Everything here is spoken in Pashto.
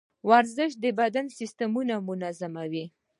ورزش د بدن سیستمونه منظموي.